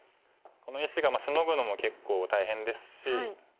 この石がシノぐのも結構大変ですし。